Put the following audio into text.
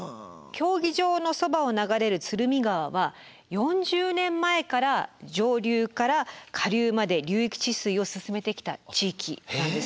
競技場のそばを流れる鶴見川は４０年前から上流から下流まで流域治水を進めてきた地域なんですね。